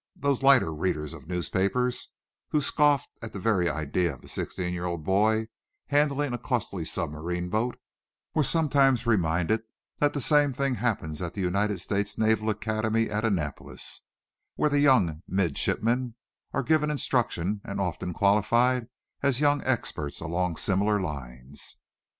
Those lighter readers of newspapers, who scoffed at the very idea of a sixteen year old boy handling a costly submarine boat, were sometimes reminded that the same thing happens at the United States Naval Academy at Annapolis, where the young midshipmen are given instruction and often are qualified as young experts along similar lines.